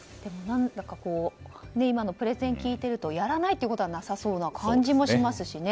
何だか今のプレゼンを聞いているとやらないというのはなさそうな感じもしますしね。